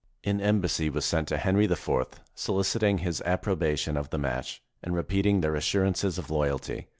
An embassy was sent to Henry IV, soliciting his approbation of the match, and repeating their assur ances of loyalty.